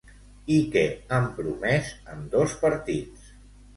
I què han promès ambdós partits?